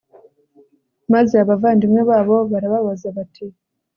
maze abavandimwe babo barababaza bati